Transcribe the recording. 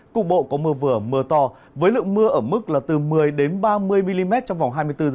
cục bộ có mưa vừa mưa to với lượng mưa ở mức là từ một mươi ba mươi mm trong vòng hai mươi bốn h